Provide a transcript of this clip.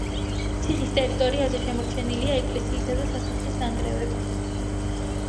ციხის ტერიტორიაზე შემორჩენილია ეკლესიისა და სასახლის ნანგრევები.